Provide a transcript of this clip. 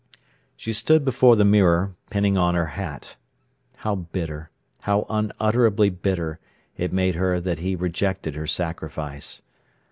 She stood before the mirror pinning on her hat. How bitter, how unutterably bitter, it made her that he rejected her sacrifice!